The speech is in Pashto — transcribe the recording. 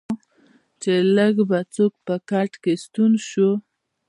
چې لږ به څوک په کټ کې ستون شو.